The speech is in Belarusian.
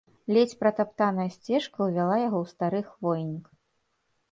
Ледзь пратаптаная сцежка ўвяла яго ў стары хвойнік.